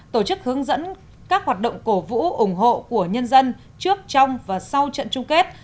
tổ chức hướng dẫn các hoạt động cổ vũ ủng hộ của nhân dân trước trong và sau trận chung kết